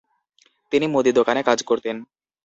তিনি মুদি দোকানে কাজ করতেন।